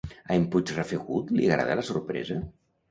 A en Puigrafegut li agradà la sorpresa?